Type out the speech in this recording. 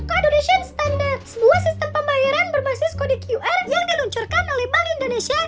coadodation standar sebuah sistem pembayaran berbasis kodi qr yang diluncurkan oleh bank indonesia